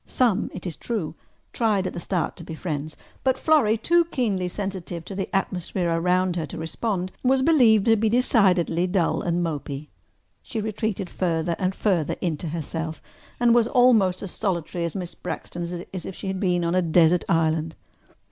Some, it is true, tried at the start to be friends, but Florrie, too keenly sensitive to the atmosphere around her to respond, was believed to be decidedly dull and mopy. She retreated further and further into herself and was almost as solitary at Miss Braxton's as if she had been on a desert island.